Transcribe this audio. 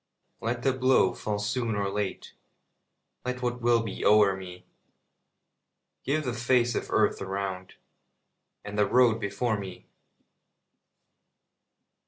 Let the blow fall soon or late, Let what will be o'er me; Give the face of earth around, And the road before me.